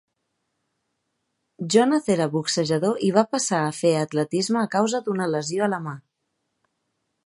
Jonath era boxejador i va passar a fer atletisme a causa d'una lesió a la mà.